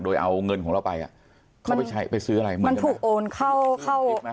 โดยเอาเงินของเราไปอ่ะเขาไปใช้ไปซื้ออะไรเหมือนมันถูกโอนเข้าเข้าไหม